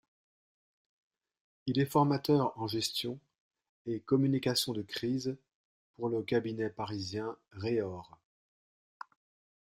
Il est formateur en gestion et communication de crisepour le cabinet parisien Reor.